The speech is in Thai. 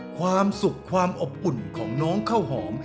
ความสุขความอบอุ่นของน้องข้าวหอม